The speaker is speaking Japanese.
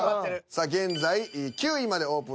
さあ現在９位までオープンし